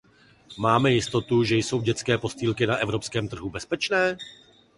Máme jistotu, že jsou dětské postýlky na evropském trhu bezpečné?